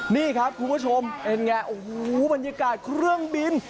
นี่ครับคุณผู้ชมเป็นไงโอ้โหบรรยากาศเครื่องบิน